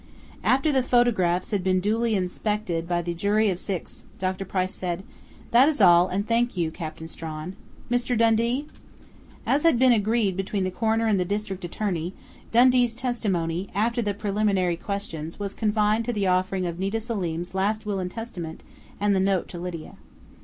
After the photographs had been duly inspected by the jury of six Dr. Price said: "That is all, and thank you, Captain Strawn.... Mr. Dundee!" As had been agreed between the coroner and the district attorney, Dundee's testimony, after the preliminary questions, was confined to the offering of Nita Selim's "last will and testament" and the note to Lydia.